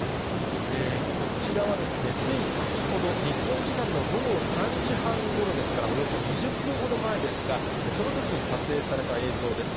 こちらはですね、つい先ほど、日本時間の午後３時半ごろですから、およそ２０分ほど前ですが、そのときに撮影された映像です。